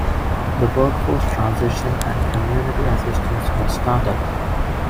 The Workforce Transition and Community Assistance was started.